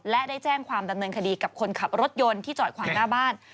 และได้แจ้งความดำเนินคดีกับคนขับรถยนต์ที่จอดขวางหน้าบ้าน